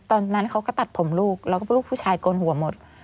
ตอนนั้นเขาก็ตัดผมลูกแล้วก็ลูกผู้ชายโกนหัวหมด